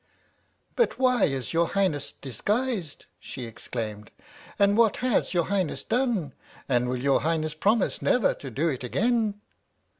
" But why is your Highness disguised ?" she ex claimed, "and what has your Highness done? And will your Highness promise never to do it again